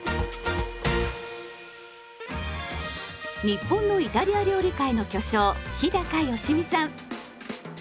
日本のイタリア料理界の巨匠日良実さん。